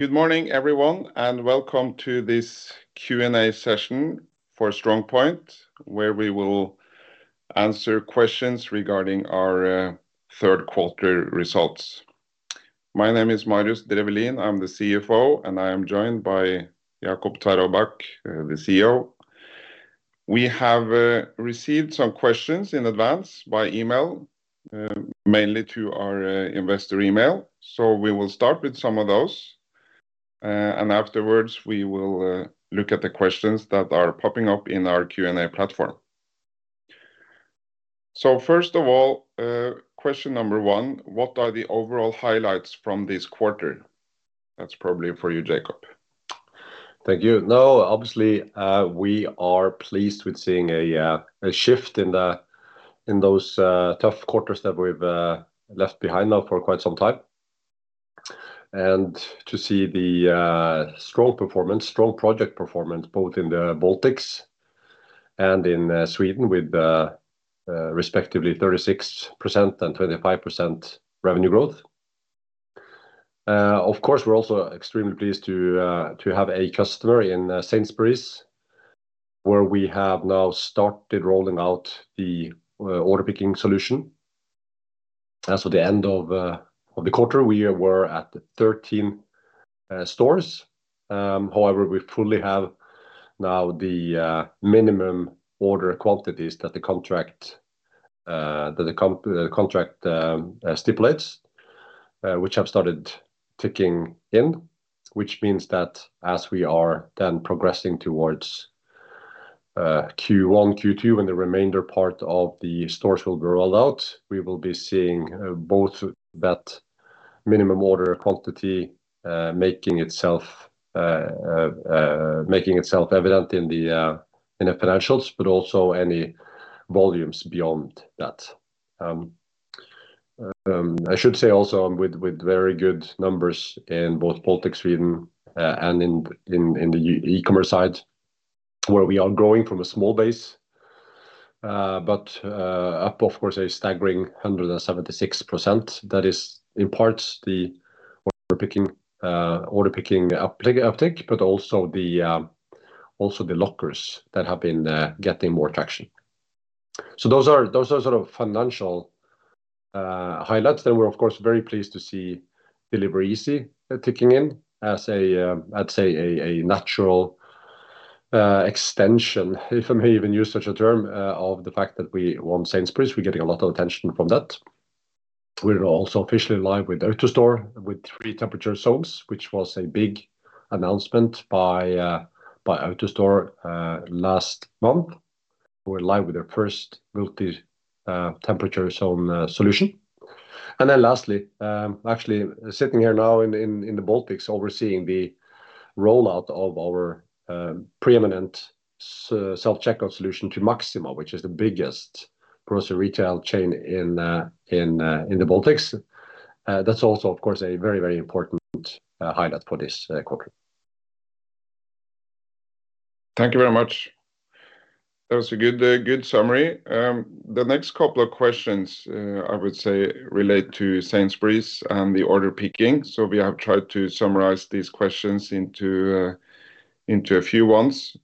Good morning, everyone, and welcome to this Q&A session for StrongPoint, where we will answer questions regarding our third quarter results. My name is Marius Drefvelin, I'm the CFO, and I am joined by Jacob Tveraabak, the CEO. We have received some questions in advance by email, mainly to our investor email, so we will start with some of those. And afterwards, we will look at the questions that are popping up in our Q&A platform. So first of all, question number one: What are the overall highlights from this quarter? That's probably for you, Jacob. Thank you. No, obviously, we are pleased with seeing a shift in those tough quarters that we've left behind now for quite some time, and to see the strong performance, strong project performance, both in the Baltics and in Sweden, with respectively 36% and 25% revenue growth. Of course, we're also extremely pleased to have a customer in Sainsbury's, where we have now started rolling out the order picking solution. As of the end of the quarter, we were at 13 stores. However, we fully have now the minimum order quantities that the contract stipulates, which have started ticking in. Which means that as we are then progressing towards Q1, Q2, and the remainder part of the stores will be rolled out, we will be seeing both that minimum order quantity making itself evident in the financials, but also any volumes beyond that. I should say also with very good numbers in both Baltics, Sweden, and in the e-commerce side, where we are growing from a small base, but up, of course, a staggering 176%. That is in parts the order picking uptick, but also the lockers that have been getting more traction. So those are sort of financial highlights. Then we're, of course, very pleased to see Delivereasy ticking in as a, I'd say, a natural extension, if I may even use such a term, of the fact that we won Sainsbury's. We're getting a lot of attention from that. We're also officially live with AutoStore, with three temperature zones, which was a big announcement by AutoStore last month. We're live with our first multi temperature zone solution. And then lastly, actually sitting here now in the Baltics, overseeing the rollout of our preeminent self-checkout solution to Maxima, which is the biggest grocery retail chain in the Baltics. That's also, of course, a very, very important highlight for this quarter. Thank you very much. That was a good, good summary. The next couple of questions, I would say relate to Sainsbury's and the order picking. So we have tried to summarize these questions into, into a few ones.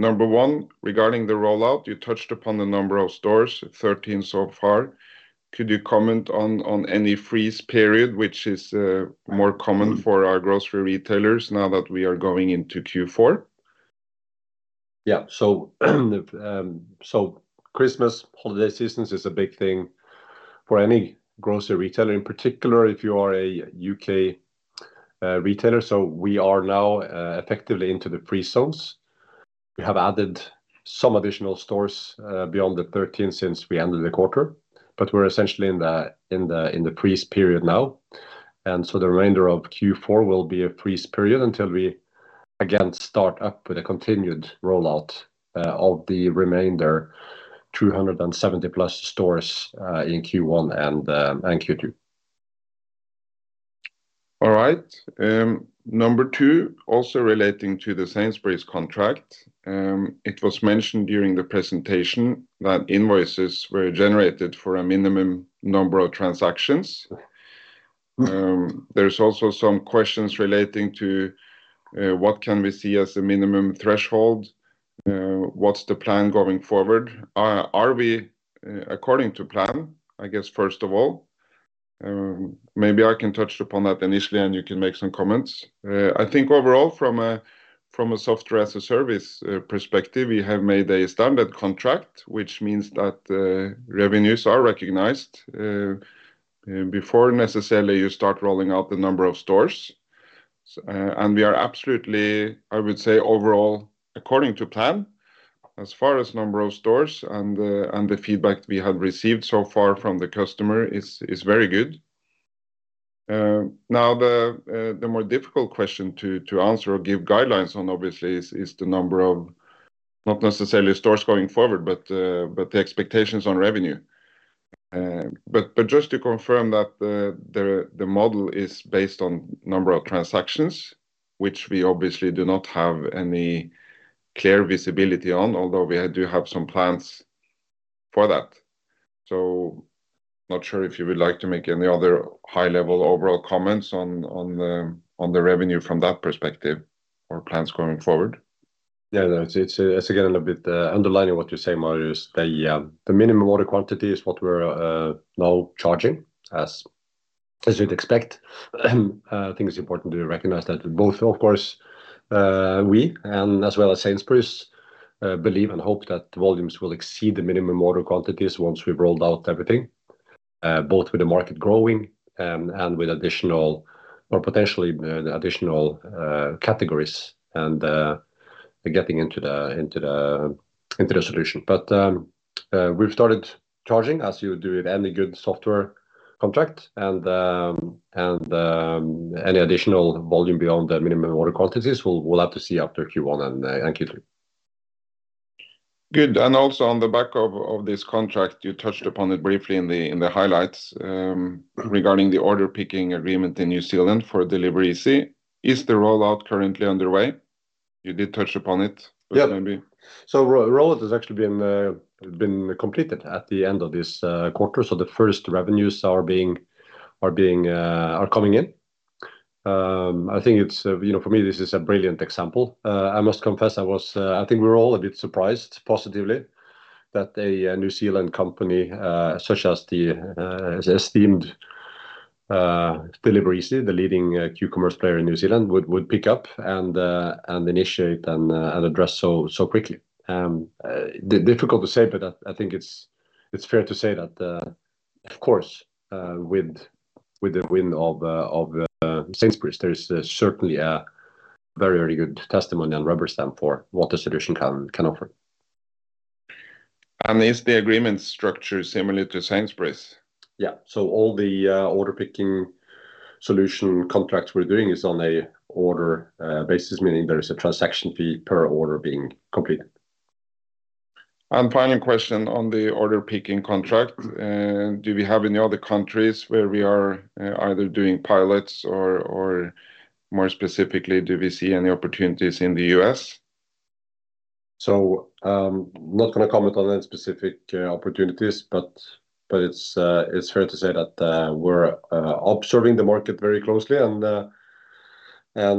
Number one, regarding the rollout, you touched upon the number of stores, 13 so far. Could you comment on, on any freeze period, which is, more common for our grocery retailers now that we are going into Q4? Yeah. So, Christmas holiday seasons is a big thing for any grocery retailer, in particular, if you are a U.K. retailer. So we are now effectively into the freeze zones. We have added some additional stores beyond the 13 since we ended the quarter, but we're essentially in the freeze period now. And so the remainder of Q4 will be a freeze period until we again start up with a continued rollout of the remainder 270+ stores in Q1 and Q2. All right. Number two, also relating to the Sainsbury's contract. It was mentioned during the presentation that invoices were generated for a minimum number of transactions. There's also some questions relating to what can we see as a minimum threshold? What's the plan going forward? Are we according to plan, I guess, first of all? Maybe I can touch upon that initially, and you can make some comments. I think overall, from a software as a service perspective, we have made a standard contract, which means that revenues are recognized before necessarily you start rolling out the number of stores, and we are absolutely, I would say overall, according to plan, as far as number of stores and the feedback we have received so far from the customer is very good. Now, the more difficult question to answer or give guidelines on, obviously, is the number of stores going forward, not necessarily, but the expectations on revenue. But just to confirm that the model is based on number of transactions, which we obviously do not have any clear visibility on, although we do have some plans for that. So not sure if you would like to make any other high-level overall comments on the revenue from that perspective or plans going forward? Yeah, no, it's again a little bit underlining what you say, Marius, the minimum order quantity is what we're now charging, as you'd expect. I think it's important to recognize that both, of course, we and as well as Sainsbury's believe and hope that the volumes will exceed the minimum order quantities once we've rolled out everything. Both with the market growing and with additional or potentially additional categories and getting into the solution. But we've started charging, as you would do with any good software contract, and any additional volume beyond the minimum order quantities, we'll have to see after Q1 and Q3. Good. And also on the back of this contract, you touched upon it briefly in the highlights, regarding the order picking agreement in New Zealand for Delivereasy. Is the rollout currently underway? You did touch upon it. Yeah. Maybe. So rollout has actually been completed at the end of this quarter, so the first revenues are coming in. I think it's, you know, for me, this is a brilliant example. I must confess, I think we were all a bit surprised, positively, that a New Zealand company such as the esteemed Delivereasy, the leading Q-commerce player in New Zealand, would pick up and initiate and address so quickly. Difficult to say, but I think it's fair to say that, of course, with the wind of Sainsbury's, there is certainly a very good testimony and rubber stamp for what the solution can offer. Is the agreement structure similar to Sainsbury's? Yeah. So all the order picking solution contracts we're doing is on a order basis, meaning there is a transaction fee per order being completed. And final question on the order picking contract. Do we have any other countries where we are either doing pilots or, more specifically, do we see any opportunities in the U.S.? Not gonna comment on any specific opportunities, but it's fair to say that we're observing the market very closely and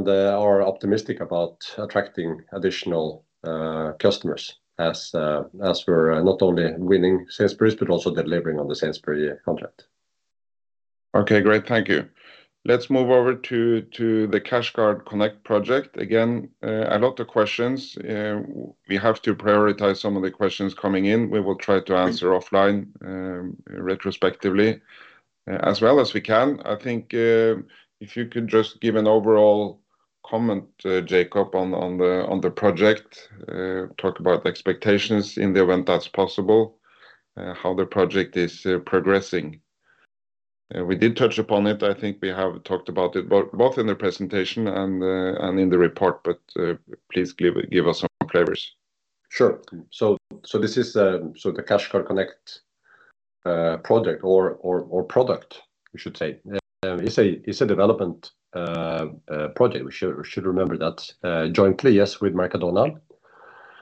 are optimistic about attracting additional customers as we're not only winning Sainsbury's, but also delivering on the Sainsbury contract. Okay, great. Thank you. Let's move over to the CashGuard Connect project. Again, a lot of questions. We have to prioritize some of the questions coming in. We will try to answer offline, retrospectively, as well as we can. I think, if you could just give an overall comment, Jacob, on the project. Talk about the expectations in the event that's possible, how the project is progressing. We did touch upon it. I think we have talked about it both in the presentation and in the report, but please give us some flavors. Sure. So this is the CashGuard Connect project or product, we should say, is a development project, we should remember that, jointly, yes, with Mercadona.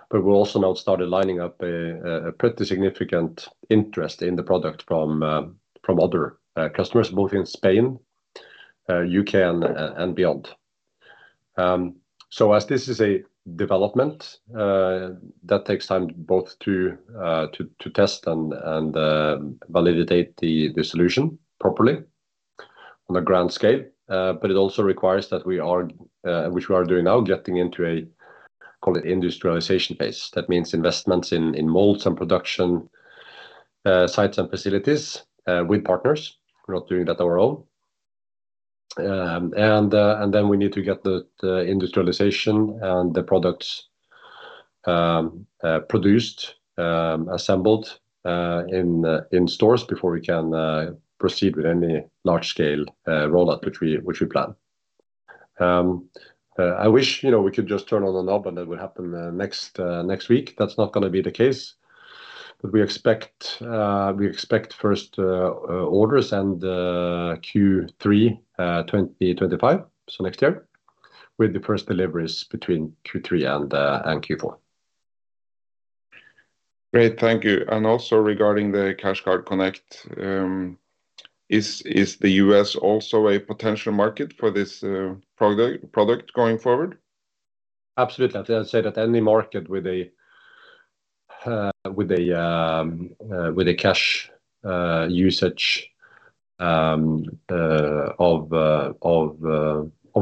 But we've also now started lining up a pretty significant interest in the product from other customers, both in Spain, U.K., and beyond. So as this is a development that takes time both to test and validate the solution properly on a grand scale. But it also requires that we are, which we are doing now, getting into a, call it industrialization phase. That means investments in molds and production sites and facilities with partners. We're not doing that on our own. And then we need to get the industrialization and the products produced, assembled in stores before we can proceed with any large-scale rollout, which we plan. I wish, you know, we could just turn on the knob and that would happen next week. That's not gonna be the case, but we expect first orders in Q3 2025, so next year, with the first deliveries between Q3 and Q4. Great, thank you. And also regarding the CashGuard Connect, is the U.S. also a potential market for this product going forward? Absolutely. I'd say that any market with a cash usage of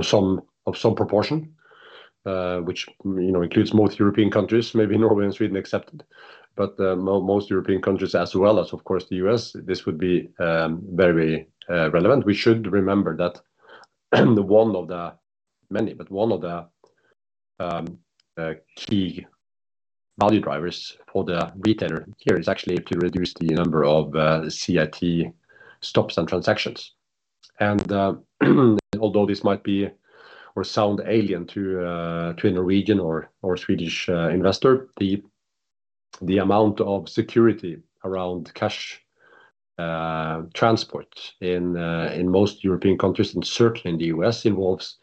some proportion, which, you know, includes most European countries, maybe Norway and Sweden excepted, but most European countries, as well as, of course, the U.S., this would be very relevant. We should remember that, one of the many, but one of the key value drivers for the retailer here is actually to reduce the number of CIT stops and transactions. And although this might be or sound alien to a Norwegian or Swedish investor, the amount of security around cash transport in most European countries, and certainly in the U.S., involves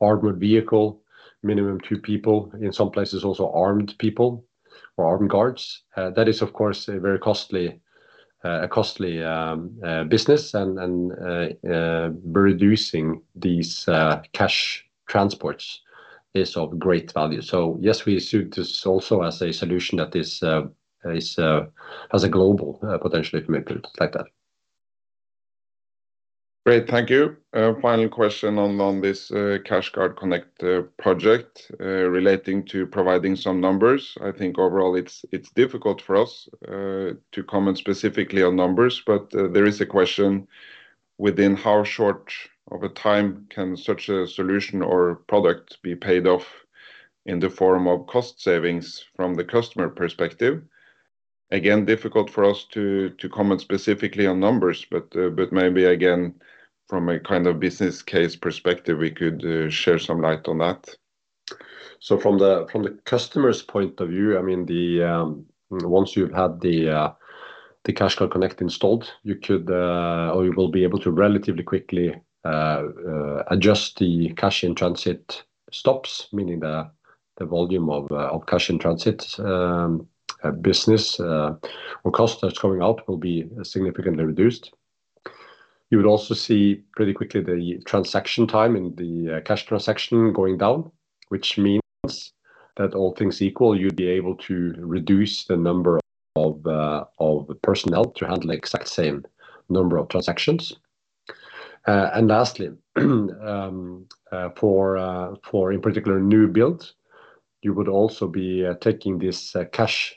armored vehicle, minimum two people, in some places, also armed people or armed guards. That is, of course, a very costly business, and reducing these cash transports is of great value. So yes, we see this also as a solution that has a global potential commitment like that. Great, thank you. Final question on this CashGuard Connect project relating to providing some numbers. I think overall, it's difficult for us to comment specifically on numbers, but there is a question. Within how short of a time can such a solution or product be paid off in the form of cost savings from the customer perspective? Again, difficult for us to comment specifically on numbers, but maybe again, from a kind of business case perspective, we could shed some light on that. So from the customer's point of view, I mean, once you've had the CashGuard Connect installed, you could or you will be able to relatively quickly adjust the cash-in-transit stops, meaning the volume of cash-in-transit business or cost that's going out will be significantly reduced. You would also see pretty quickly the transaction time in the cash transaction going down, which means that all things equal, you'd be able to reduce the number of personnel to handle the exact same number of transactions. And lastly, for in particular, new builds, you would also be taking this cash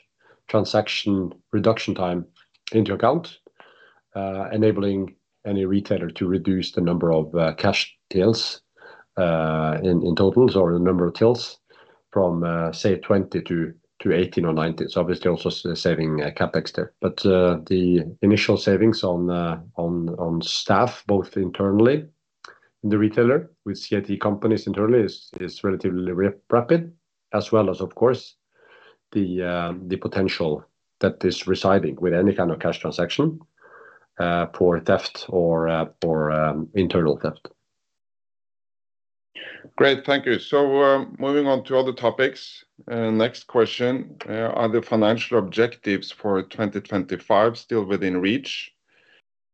transaction reduction time into account, enabling any retailer to reduce the number of cash tills in total, or the number of tills from say 20 to 18 or 19. So obviously, also saving CapEx there. But the initial savings on the staff, both internally, the retailer with CIT companies internally, is relatively rapid, as well as, of course, the potential that is residing with any kind of cash transaction for theft or internal theft. Great, thank you. So, moving on to other topics, next question: Are the financial objectives for 2025 still within reach?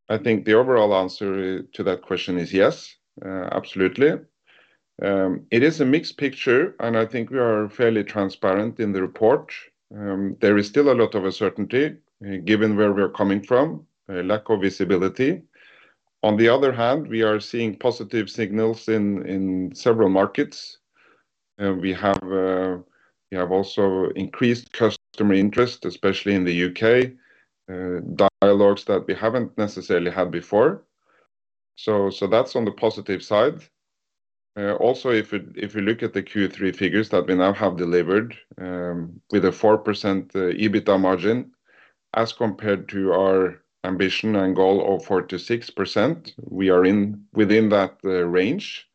I think the overall answer to that question is yes, absolutely. It is a mixed picture, and I think we are fairly transparent in the report. There is still a lot of uncertainty, given where we're coming from, a lack of visibility. On the other hand, we are seeing positive signals in several markets. We have also increased customer interest, especially in the U.K., dialogues that we haven't necessarily had before. So that's on the positive side. Also, if you look at the Q3 figures that we now have delivered, with a 4% EBITDA margin, as compared to our ambition and goal of 4%-6%, we are in within that range.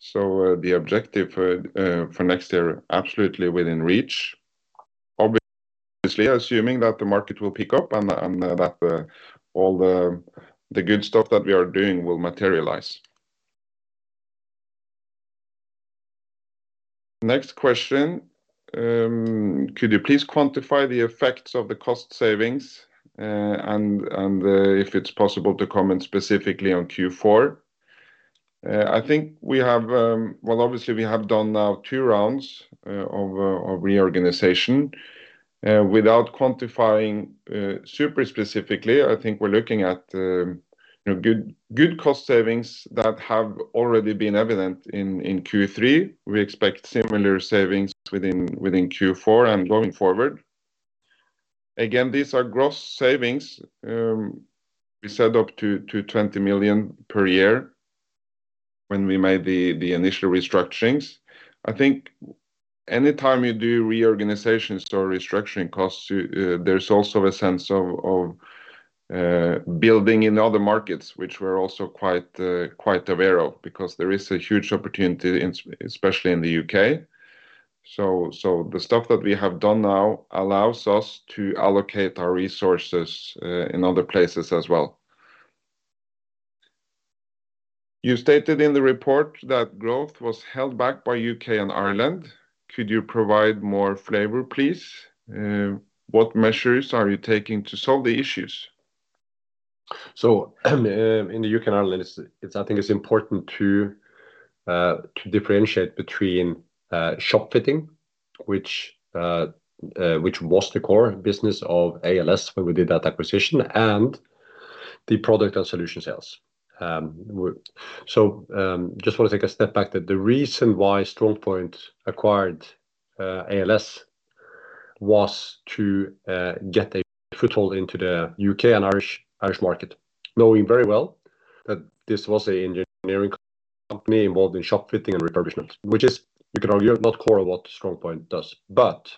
So, the objective for next year, absolutely within reach, obviously, assuming that the market will pick up and that all the good stuff that we are doing will materialize. Next question: Could you please quantify the effects of the cost savings, and if it's possible to comment specifically on Q4? I think we have, well, obviously, we have done now two rounds of reorganization. Without quantifying super specifically, I think we're looking at, you know, good cost savings that have already been evident in Q3. We expect similar savings within Q4 and going forward. Again, these are gross savings. We said up to 220 million per year when we made the initial restructurings. I think any time you do reorganizations or restructuring costs, there's also a sense of building in other markets, which we're also quite aware of, because there is a huge opportunity in, especially in the U.K. So the stuff that we have done now allows us to allocate our resources in other places as well. You stated in the report that growth was held back by U.K. and Ireland. Could you provide more flavor, please? What measures are you taking to solve the issues? In the U.K. and Ireland, it's, I think it's important to differentiate between shopfitting, which was the core business of ALS when we did that acquisition, and the product and solution sales. So, just want to take a step back, that the reason why StrongPoint acquired ALS was to get a foothold into the U.K. and Irish market, knowing very well that this was an engineering company involved in shopfitting and refurbishment, which is, you could argue, not core of what StrongPoint does. But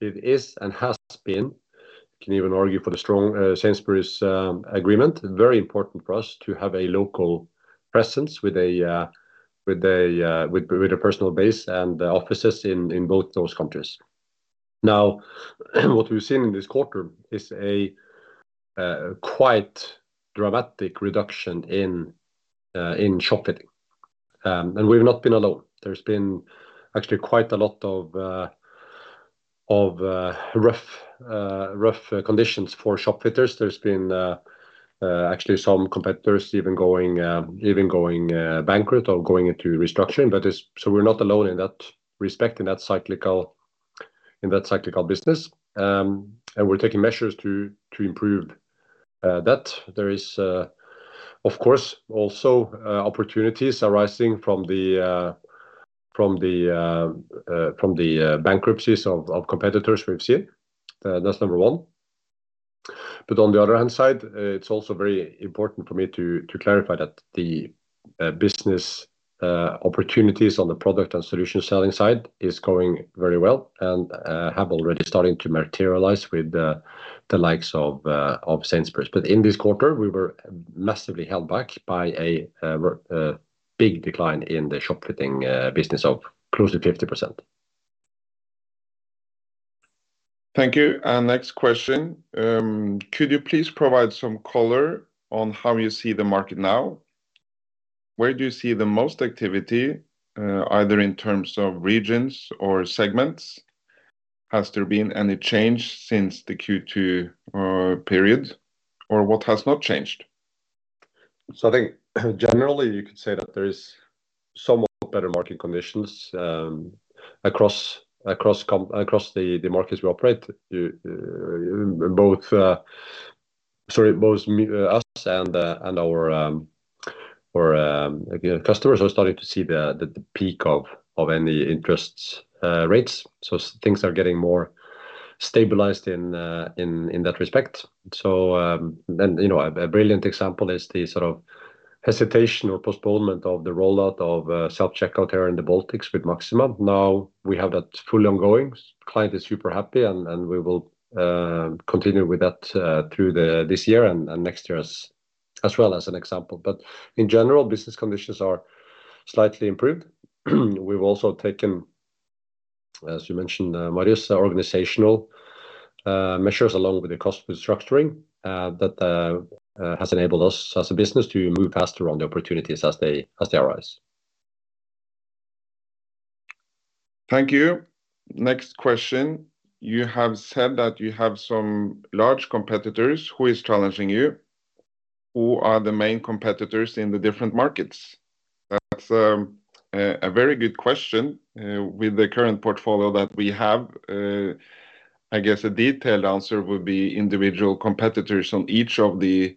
it is and has been, can even argue, for the StrongPoint Sainsbury's agreement, very important for us to have a local presence with a personnel base and offices in both those countries. Now, what we've seen in this quarter is a quite dramatic reduction in shopfitting. And we've not been alone. There's been actually quite a lot of rough conditions for shopfitters. There's been actually some competitors even going bankrupt or going into restructuring. But it's so we're not alone in that respect, in that cyclical business. And we're taking measures to improve that. There is, of course, also opportunities arising from the bankruptcies of competitors we've seen. That's number one. But on the other hand side, it's also very important for me to clarify that the business opportunities on the product and solution selling side is going very well and have already starting to materialize with the likes of Sainsbury's. But in this quarter, we were massively held back by a big decline in the shopfitting business of close to 50%. Thank you. And next question. Could you please provide some color on how you see the market now? Where do you see the most activity, either in terms of regions or segments? Has there been any change since the Q2 period, or what has not changed? I think, generally, you could say that there is somewhat better market conditions across the markets we operate. Sorry, both us and our customers are starting to see the peak of any interest rates. So things are getting more stabilized in that respect. So, and, you know, a brilliant example is the sort of hesitation or postponement of the rollout of self-checkout here in the Baltics with Maxima. Now, we have that fully ongoing. Client is super happy, and we will continue with that through this year and next year as well as an example. But in general, business conditions are slightly improved. We've also taken, as you mentioned, Marius, organizational measures, along with the cost restructuring, that has enabled us as a business to move faster on the opportunities as they arise. Thank you. Next question: You have said that you have some large competitors. Who is challenging you? Who are the main competitors in the different markets? That's a very good question. With the current portfolio that we have, I guess a detailed answer would be individual competitors on each of the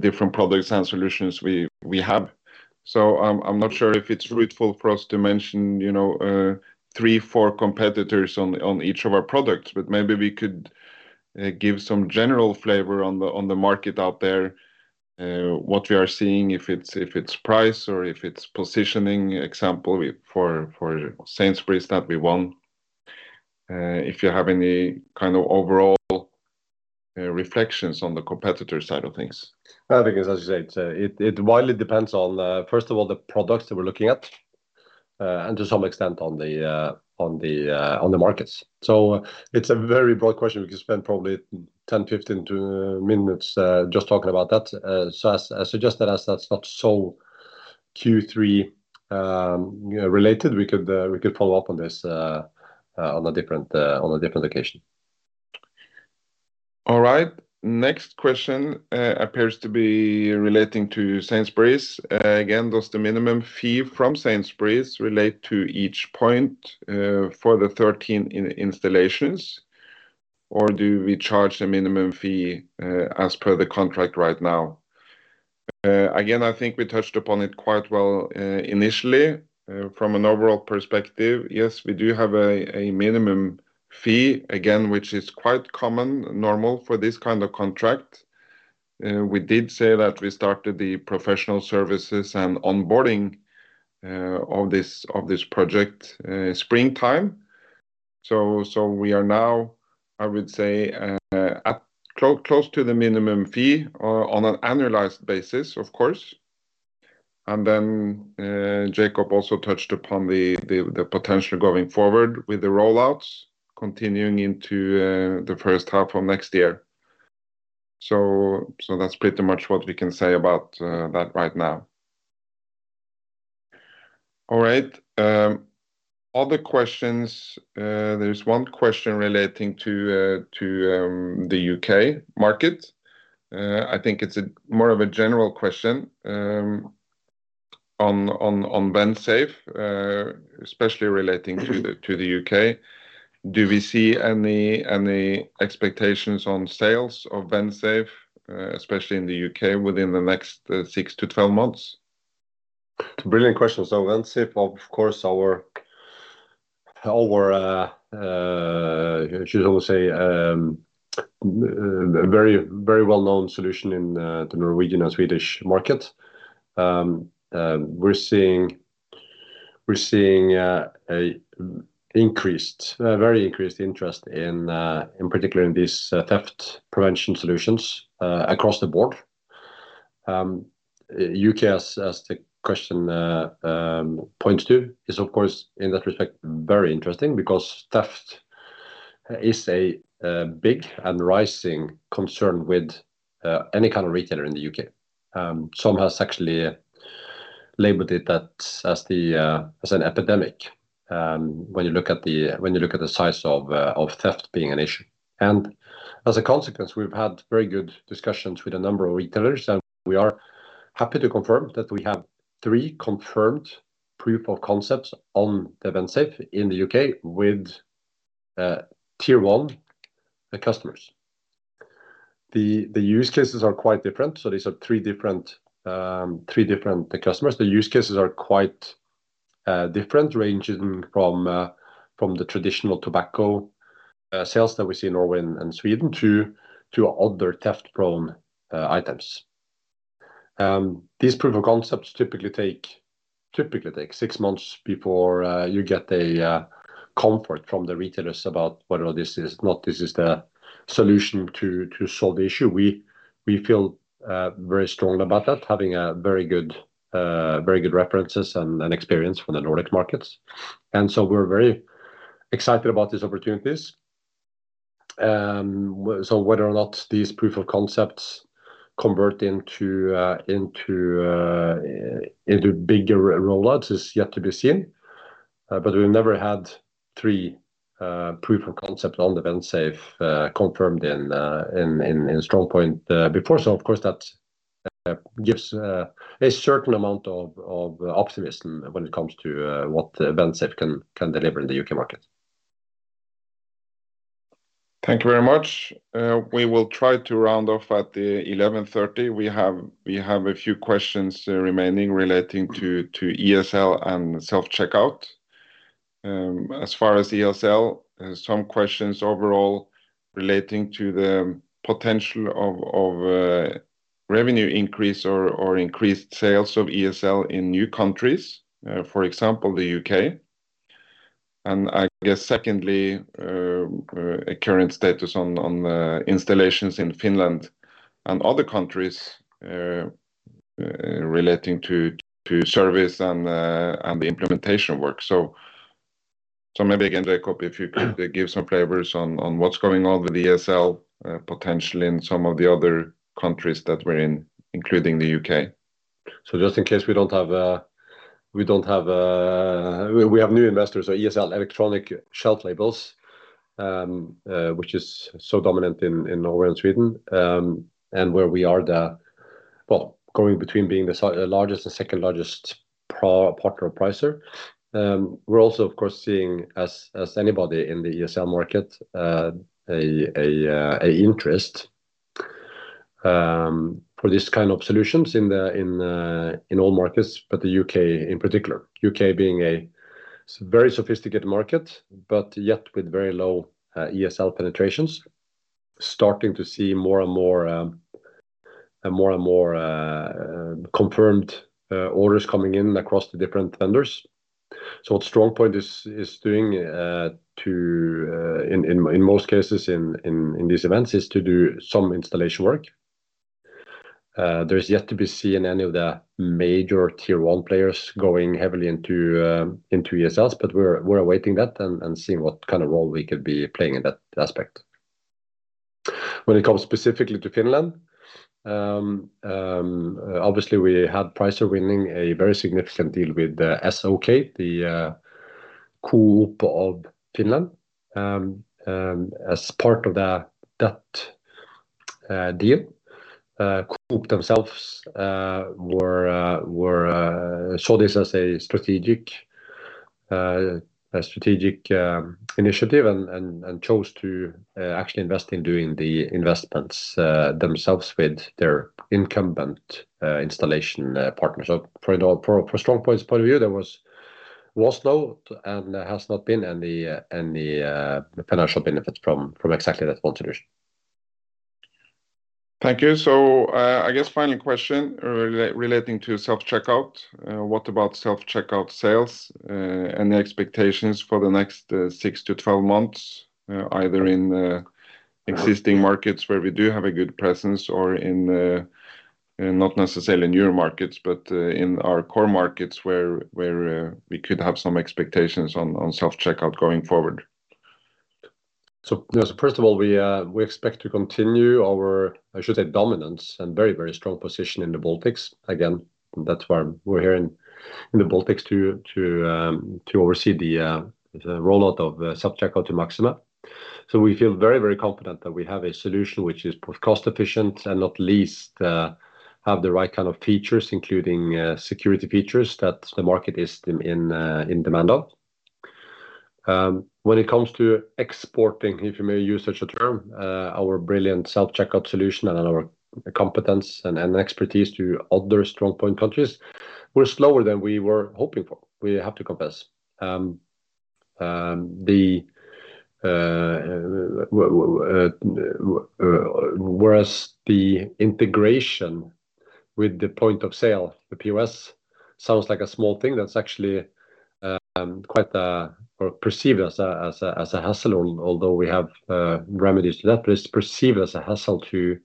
different products and solutions we have, so I'm not sure if it's fruitful for us to mention, you know, three, four competitors on each of our products, but maybe we could give some general flavor on the market out there. What we are seeing, if it's price or if it's positioning, for example, for Sainsbury's that we won. If you have any kind of overall reflections on the competitor side of things. I think it's as you say, it widely depends on first of all, the products that we're looking at, and to some extent on the markets. So it's a very broad question. We could spend probably 10-15 minutes just talking about that. So I suggest that as that's not so Q3 related, we could follow up on this on a different occasion. All right. Next question appears to be relating to Sainsbury's. Again, does the minimum fee from Sainsbury's relate to each point for the 13 installations, or do we charge the minimum fee as per the contract right now? Again, I think we touched upon it quite well initially. From an overall perspective, yes, we do have a minimum fee, again, which is quite common, normal for this kind of contract. We did say that we started the professional services and onboarding of this project springtime. So we are now, I would say, close to the minimum fee on an annualized basis, of course. And then Jacob also touched upon the potential going forward with the rollouts continuing into the first half of next year. So that's pretty much what we can say about that right now. All right, other questions, there's one question relating to the U.K. market. I think it's more of a general question on Vensafe, especially relating to the U.K. Do we see any expectations on sales of Vensafe, especially in the U.K., within the next six to 12 months? Brilliant question. So Vensafe, of course, a very, very well-known solution in the Norwegian and Swedish market. We're seeing a very increased interest in particular in this theft prevention solutions across the board. U.K., as the question points to, is of course in that respect very interesting, because theft is a big and rising concern with any kind of retailer in the U.K. Someone has actually labeled it as an epidemic. When you look at the size of theft being an issue. And as a consequence, we've had very good discussions with a number of retailers, and we are happy to confirm that we have three confirmed proof of concepts on the Vensafe in the U.K. with tier one customers. The use cases are quite different, so these are three different customers. The use cases are quite different, ranging from the traditional tobacco sales that we see in Norway and Sweden, to other theft-prone items. These proof of concepts typically take six months before you get a comfort from the retailers about whether this is the solution to solve the issue. We feel very strongly about that, having very good references and experience from the Nordic markets, and so we're very excited about these opportunities. Whether or not these proof of concepts convert into bigger rollouts is yet to be seen. But we've never had three proof of concept on the Vensafe confirmed in StrongPoint before. So of course, that gives a certain amount of optimism when it comes to what the Vensafe can deliver in the U.K. market. Thank you very much. We will try to round off at 11:30 A.M. We have a few questions remaining relating to ESL and self-checkout. As far as ESL, some questions overall relating to the potential of revenue increase or increased sales of ESL in new countries, for example, the U.K. And I guess secondly, a current status on the installations in Finland and other countries, relating to service and the implementation work. So maybe again, Jacob, if you could give some flavors on what's going on with ESL, potentially in some of the other countries that we're in, including the U.K. So just in case we have new investors or ESL, electronic shelf labels, which is so dominant in Norway and Sweden. And where we are going between being the single largest and second largest Pricer partner. We're also, of course, seeing, as anybody in the ESL market, a interest for this kind of solutions in all markets, but the U.K. in particular. U.K. being a very sophisticated market, but yet with very low ESL penetrations. Starting to see more and more confirmed orders coming in across the different vendors. So what StrongPoint is doing, in most cases, in these events, is to do some installation work. There's yet to be seen any of the major tier one players going heavily into ESLs, but we're awaiting that and seeing what kind of role we could be playing in that aspect. When it comes specifically to Finland, obviously, we had Pricer winning a very significant deal with the SOK, the Coop of Finland. As part of that deal, Coop themselves saw this as a strategic initiative and chose to actually invest in doing the investments themselves with their incumbent installation partners. So for it all, for StrongPoint's point of view, there was no, and has not been any financial benefits from exactly that solution. Thank you. So, I guess final question relating to self-checkout. What about self-checkout sales, and the expectations for the next six to 12 months, either in the existing markets where we do have a good presence, or in the not necessarily newer markets, but in our core markets, where we could have some expectations on self-checkout going forward? So first of all, we expect to continue our, I should say, dominance and very strong position in the Baltics. Again, that's why we're here in the Baltics, to oversee the rollout of self-checkout to Maxima. So we feel very confident that we have a solution which is both cost efficient and not least have the right kind of features, including security features that the market is in demand of. When it comes to exporting, if you may use such a term, our brilliant self-checkout solution and our competence and expertise to other StrongPoint countries, we're slower than we were hoping for, we have to confess. Whereas the integration with the point of sale, the POS, sounds like a small thing, that's actually quite or perceived as a hassle, although we have remedies to that, but it's perceived as a hassle to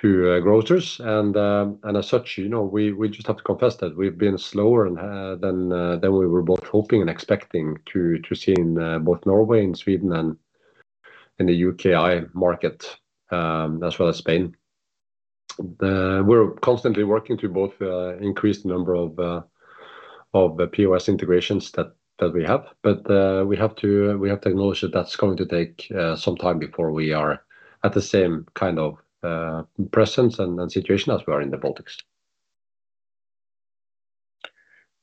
grocers, and as such, you know, we just have to confess that we've been slower and than we were both hoping and expecting to see in both Norway and Sweden and in the U.K. market, as well as Spain. We're constantly working to both increase the number of POS integrations that we have, but we have to acknowledge that that's going to take some time before we are at the same kind of presence and situation as we are in the Baltics.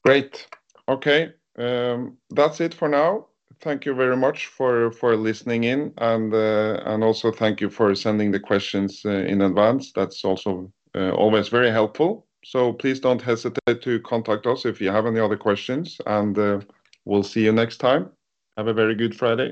Great. Okay, that's it for now. Thank you very much for listening in, and also thank you for sending the questions in advance. That's also always very helpful. So please don't hesitate to contact us if you have any other questions, and we'll see you next time. Have a very good Friday.